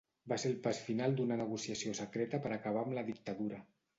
Va ser el pas final d'una negociació secreta per acabar amb la dictadura.